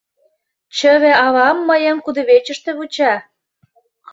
Чыве авам мыйым кудывечыште вуча.